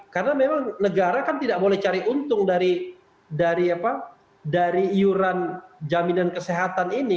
karena memang negara kan tidak boleh cari untung dari iuran jaminan kesehatan ini